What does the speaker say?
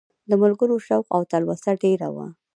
د ملګرو شوق او تلوسه ډېره وه.